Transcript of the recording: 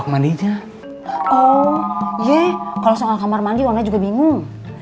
kalau soal kamar mandi wana juga bingung